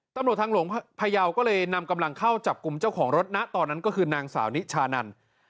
ตำรวจทางหลวงพยาวก็เลยนำกำลังเข้าจับกลุ่มเจ้าของรถนะตอนนั้นก็คือนางสาวนิชานัน